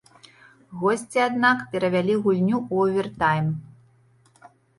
Госці аднак перавялі гульню ў овертайм.